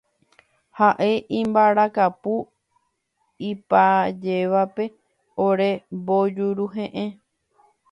Haʼe imbarakapu ipajévape ore mbojuruheʼẽ.